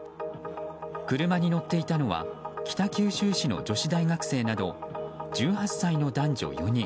車に乗っていたのは北九州市の女子大学生など１８歳の男女４人。